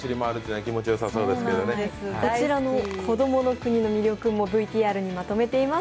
こちらのこどもの国の魅力もＶＴＲにまとめています。